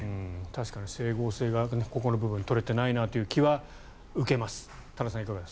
確かに整合性がここの部分は取れてないなという気は受けます。